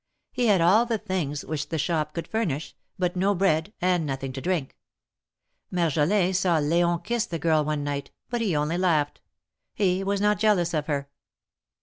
He had all the things which the shop could furnish, but no bread, and nothing to drink. Marjolin saw Leon kiss the girl one night, but he only laughed. He was not jealous of her.